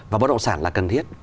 và bất động sản là cần thiết